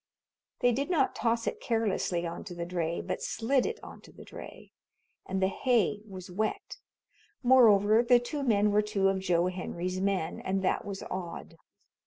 They did not toss it carelessly onto the dray but slid it onto the dray. And the hay was wet. Moreover, the two men were two of Joe Henry's men, and that was odd.